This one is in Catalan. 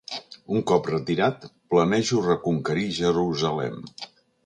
Un cop retirat, planejo reconquerir Jerusalem.